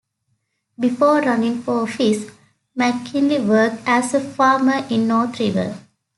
Before running for office, MacKinley worked as a farmer in North River.